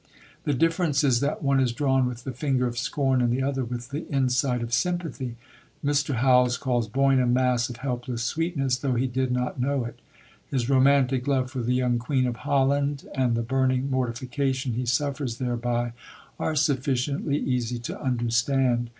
The difference is that one is drawn with the finger of scorn and the other with the insight of sympathy. Mr. Howells calls Boyne "a mass of helpless sweetness though he did not know it." His romantic love for the young queen of Holland and the burning mortification he suffers thereby, are sufficiently easy to understand.